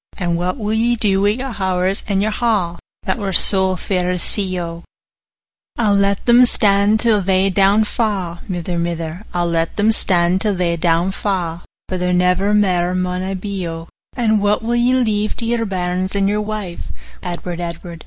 And what will ye do wi' your tow'rs and your ha', 35 That were sae fair to see, O?' 'I'll let them stand till they doun fa', Mither, mither; I'll let them stand till they doun fa', For here never mair maun I be, O.' 40 'And what will ye leave to your bairns and your wife, Edward, Edward?